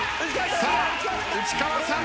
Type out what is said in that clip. さあ内川さん